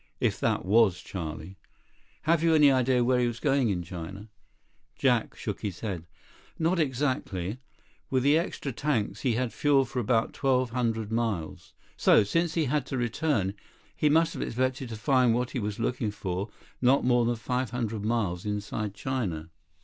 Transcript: If that was Charlie." "Have you any idea where he was going in China?" Jack shook his head. "Not exactly. With the extra tanks, he had fuel for about twelve hundred miles. So, since he had to return, he must have expected to find what he was looking for not more than five hundred miles inside China."